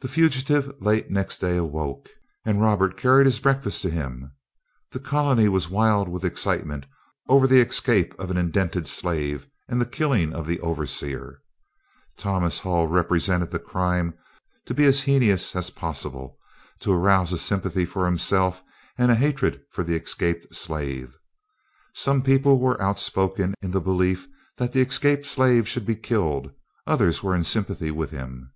The fugitive late next day awoke, and Robert carried his breakfast to him. The colony was wild with excitement over the escape of an indented slave and the killing of the overseer. Thomas Hull represented the crime to be as heinous as possible, to arouse a sympathy for himself and a hatred for the escaped slave. Some people were outspoken in the belief that the escaped slave should be killed; others were in sympathy with him.